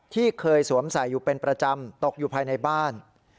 ที่เคยสวมใส่อยู่เป็นประจำตกอยู่ภายในบ้าน